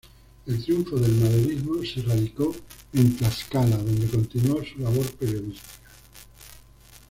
Al triunfo del maderismo, se radicó en Tlaxcala donde continuó su labor periodística.